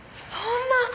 そんな！